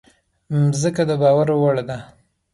مځکه د باور وړ ده.